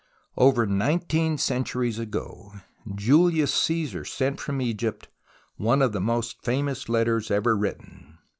Over nineteen centuries ago, Julius Caesar sent from Egypt one of the most famous letters ever written.